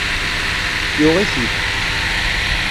Yuɣ-it-id.